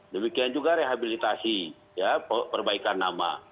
demikian juga rehabilitasi ya perbaikan nama